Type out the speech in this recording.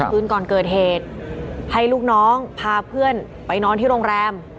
คืนก่อนเกิดเหตุให้ลูกน้องพาเพื่อนไปนอนที่โรงแรม